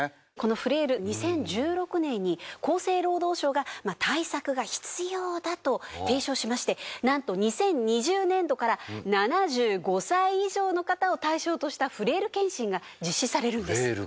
このフレイル２０１６年に厚生労働省が対策が必要だと提唱しましてなんと２０２０年度から７５歳以上の方を対象としたフレイル健診が実施されるんです。